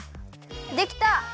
できた！